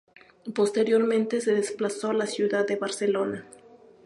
Posteriormente se desplazó a la ciudad de Barcelona.